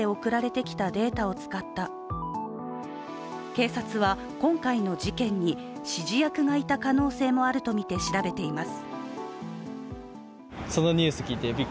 警察は今回の事件に指示役がいた可能性もあるとみて調べています